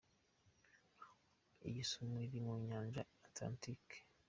Iyi sumo iri mu Nyanja Atlantic.